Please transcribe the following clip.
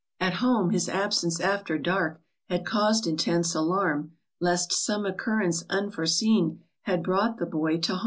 130 At home, his absence after dark Had caused intense alarm, Lest some occurrence unforseen, Had brought the boy to barm.